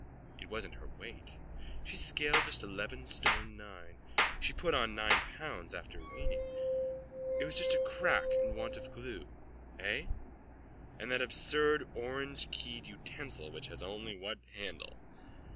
It wasn't her weight. She scaled just eleven stone nine. She put on nine pounds after weaning. It was a crack and want of glue. Eh? And that absurd orangekeyed utensil which has only one handle.